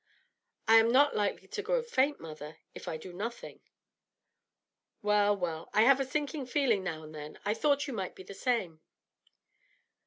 'I am not likely to grow faint, mother, if I do nothing.' 'Well, well; I have a sinking feeling now and then, I thought you might be the same.'